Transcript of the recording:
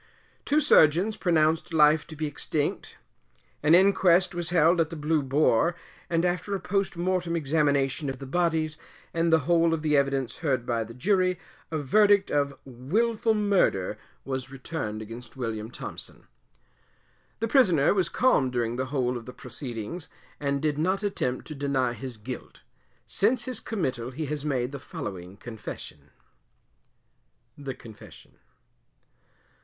Two surgeons pronounced life to be extinct. An inquest was held at the Blue Boar, and after a post mortem examination of the bodies, and the whole of the Evidence heard by the Jury, a Verdict of Wilful Murder was returned against William Thompson. The Prisoner was calm during the whole of the proceedings, and did not attempt to deny his guilt. Since his committal he has made the following Confession. THE CONFESSION.